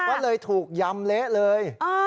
ก็เลยถูกยำเละเลย